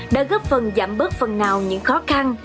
đã góp phần giảm bớt phần nào những khó khăn